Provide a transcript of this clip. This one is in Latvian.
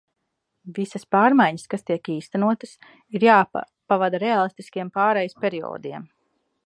Visas pārmaiņas, kas tiek īstenotas, ir jāpavada reālistiskiem pārejas periodiem.